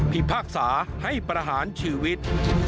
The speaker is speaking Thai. พิพากษาให้ประหารชีวิต